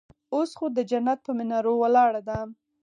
اوس خو د جنت پهٔ منارو ولاړه ده